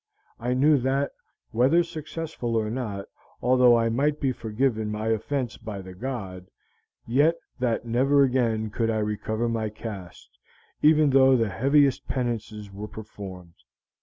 I knew that, whether successful or not, although I might be forgiven my offense by the god, yet that never again could I recover my caste, even though the heaviest penances were performed.